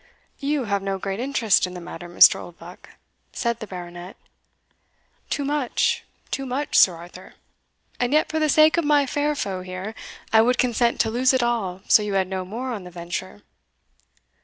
"You have no great interest in the matter, Mr. Oldbuck," said the Baronet. "Too much, too much, Sir Arthur; and yet, for the sake of my fair foe here, I would consent to lose it all so you had no more on the venture."